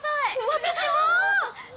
私も！